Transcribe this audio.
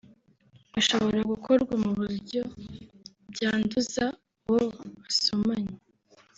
bishobora gukorwa mu buryo byanduza uwo basomanye